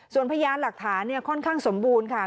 ส่วนพยานหลักฐานค่อนข้างสมบูรณ์ค่ะ